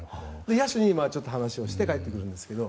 野手に話をして帰ってくるんですけど。